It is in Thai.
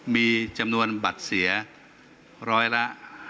มีจำนวนบัตรเสียร้อยละ